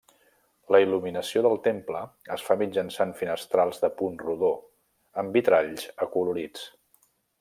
La il·luminació del temple es fa mitjançant finestrals de punt rodó, amb vitralls acolorits.